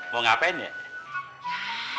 mau ngapain ya